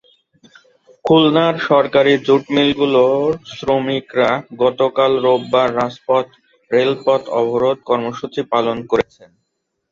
খুলনার বেসরকারি জুট মিলগুলোর শ্রমিকেরা গতকাল রোববার রাজপথ-রেলপথ অবরোধ কর্মসূচি পালন করেছেন।